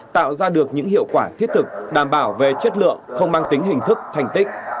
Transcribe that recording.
tạo ra được những hiệu quả thiết thực đảm bảo về chất lượng không mang tính hình thức thành tích